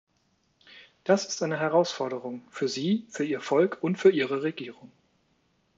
Das ist eine Herausforderung, für Sie, für Ihr Volk und für Ihre Regierung.